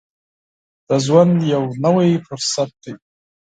د ژوند یو نوی فرصت دی.